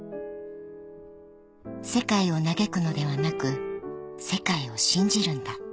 ［世界を嘆くのではなく世界を信じるんだ］